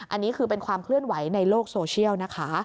อันนี้คือเป็นความเคลื่อนไหวในโลกโซเชียลนะคะ